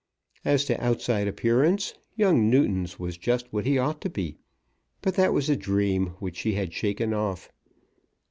As to outside appearance, young Newton's was just what he ought to be, but that was a dream which she had shaken off.